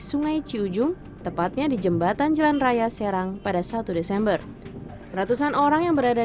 sungai ciujung tepatnya di jembatan jalan raya serang pada satu desember ratusan orang yang berada